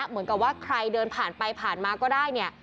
เหมือนกับว่าใครเดินผ่านไปผ่านมาก็ได้เนี่ย